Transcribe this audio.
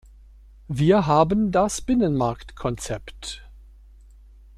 Wir haben das Binnenmarktkonzept.